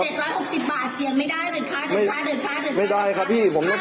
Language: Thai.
ดินค่ะดินค่ะไม่ได้ข้าพี่ผมรับจ่ายออก